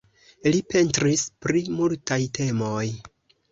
Li pentris pri multaj temoj.